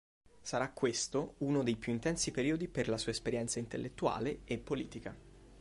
Sarà questo uno dei più intensi periodi per la sua esperienza intellettuale e politica.